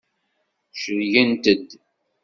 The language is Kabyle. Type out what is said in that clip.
Celgent-d.